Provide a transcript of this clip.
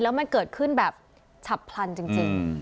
แล้วมันเกิดขึ้นแบบฉับพลันจริง